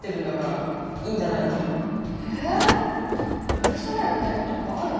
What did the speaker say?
許されるフェイクとかあるの？